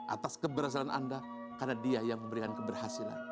atas keberhasilan anda karena dia yang memberikan keberhasilan